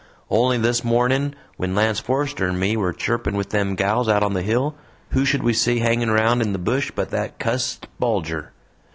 "Only this morning, when Lance Forester and me were chirping with them gals out on the hill, who should we see hanging around in the bush but that cussed Bulger!